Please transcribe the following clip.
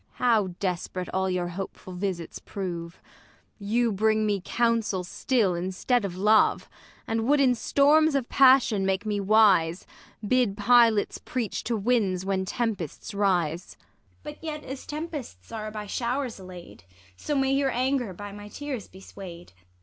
Ang. How desp'rate all your hopeful visits prove ! You bring me counsel still instead of love ; And would in storms of passion make me wise. Bid pilots preach to winds when tempests rise. ISAB. But yet as tempests are by showers allay 'd. So ma}'' your anger b}^ my tears be sway'd.